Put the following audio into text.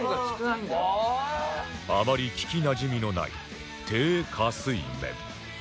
あまり聞きなじみのない低加水麺